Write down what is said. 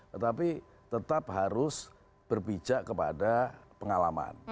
tetapi tetap harus berpijak kepada pengalaman